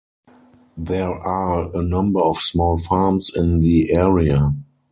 There are a number of small farms in the area.